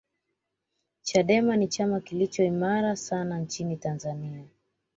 chadema ni chama kilicho imara sana nchini tanzania